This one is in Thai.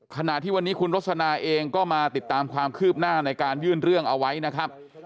ขณะที่วันนี้คุณรสนาเองก็มาติดตามความคืบหน้าในการยื่นเรื่องเอาไว้นะครับ